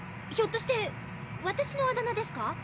ひょっとして私のあだ名ですか？